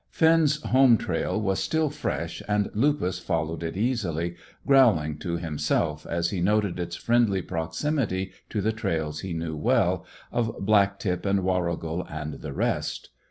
Finn's home trail was still fresh, and Lupus followed it easily, growling to himself as he noted its friendly proximity to the trails he knew well, of Black tip and Warrigal and the rest.